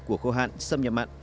của khô hạn xâm nhập mặn